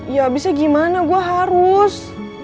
ya bisa gimana gue harus